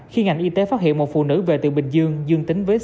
khi ngành y tế phát hiện một phụ nữ về từ bình dương dương tính với sars cov hai